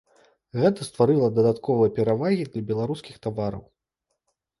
Гэта стварыла дадатковыя перавагі для беларускіх тавараў.